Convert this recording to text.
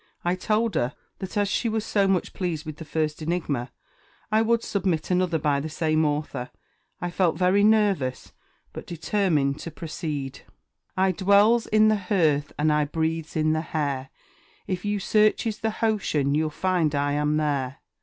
I told her that as she was so much pleased with the first enigma, I would submit another by the same author. I felt very nervous, but determined to proceed: I dwells in the Herth, and I breathes in the Hair; If you searches the Hocean, you'll find that I'm there.